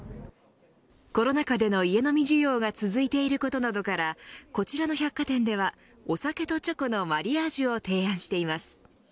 コロナ禍での家飲み需要が続いていることなどからこちらの百貨店ではお酒とチョコのマリアージュを提案しています。